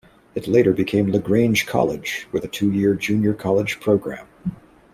It later became LaGrange College, with a two-year junior college program.